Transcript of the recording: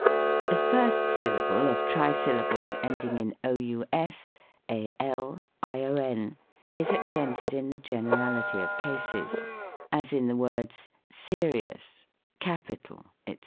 The first syllable of trisyllables ending in ons, al, ion, is accented in the generality of cases: as in the words " serious, capital," &c.